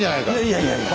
いやいやいや！